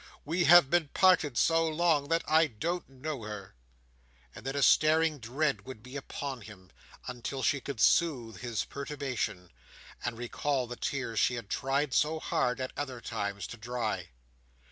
"We have been parted so long, that I don't know her!" and then a staring dread would be upon him, until she could soothe his perturbation; and recall the tears she tried so hard, at other times, to dry.